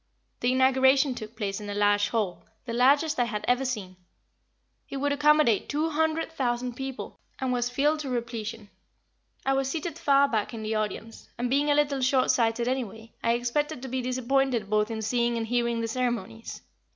The inauguration took place in a large hall, the largest I had ever seen. It would accommodate two hundred thousand people, and was filled to repletion. I was seated far back in the audience, and being a little short sighted anyway, I expected to be disappointed both in seeing and hearing the ceremonies.